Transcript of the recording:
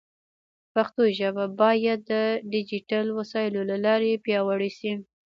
پښتو ژبه باید د ډیجیټل وسایلو له لارې پیاوړې شي.